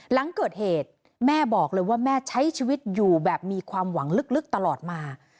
หลังเกิดเหตุแม่บอกเลยว่าแม่ใช้ชีวิตอยู่แบบมีความหวังลึกตลอดมา